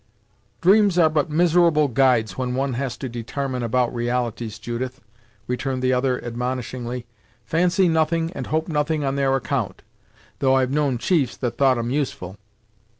"Dreams are but miserable guides when one has to detarmine about realities, Judith," returned the other admonishingly. "Fancy nothing and hope nothing on their account, though I've known chiefs that thought 'em useful."